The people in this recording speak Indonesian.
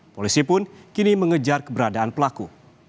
polisi pun kini mengejar keberadaan pelaku